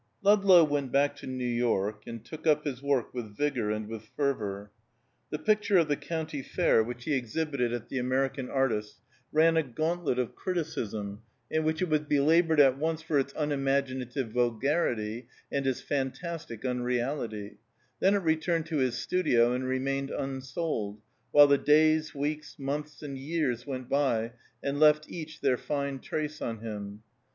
VI. Ludlow went back to New York and took up his work with vigor and with fervor. The picture of the County Fair, which he exhibited at the American Artists', ran a gauntlet of criticism in which it was belabored at once for its unimaginative vulgarity and its fantastic unreality; then it returned to his studio and remained unsold, while the days, weeks, months and years went by and left each their fine trace on him.